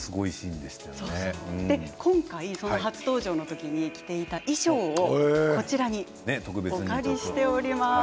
今回、初登場の時に着ていた衣装をこちらにお借りしております。